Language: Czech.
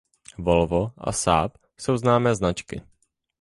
Volvo a Saab jsou známé značky.